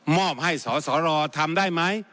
อบให้สสรทำได้ไหม